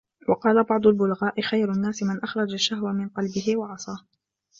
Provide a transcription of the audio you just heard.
وَقَالَ بَعْضُ الْبُلَغَاءِ خَيْرُ النَّاسِ مَنْ أَخْرَجَ الشَّهْوَةَ مِنْ قَلْبِهِ ، وَعَصَى